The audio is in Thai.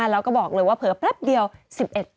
แล้วก็บอกเลยว่าเผลอแป๊บเดียว๑๑ปีแล้วค่ะ